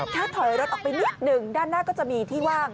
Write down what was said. ถ้าถอยรถออกไปนิดหนึ่งด้านหน้าก็จะมีที่ว่าง